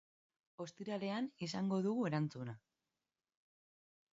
Ostiralean izango dugu erantzuna.